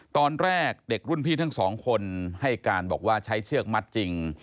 ตอนแรกเด็กรุ่นพี่ทั้งสองคนให้การบอกว่าใช้เชือกมัดจริง